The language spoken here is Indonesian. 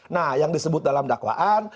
nah yang disebut dalam dakwaan